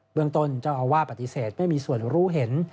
เมืองต้นเจ้าอาวาสปฏิเสธไม่มีส่วนรู้เห็น